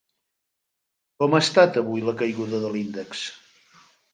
Com ha estat avui la caiguda de l'índex?